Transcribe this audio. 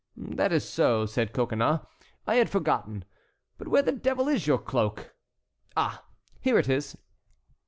"That is so," said Coconnas, "I had forgotten. But where the devil is your cloak? Ah! here it is."